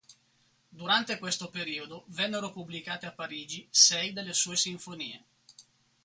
Durante questo periodo vennero pubblicate a Parigi sei delle sue sinfonie.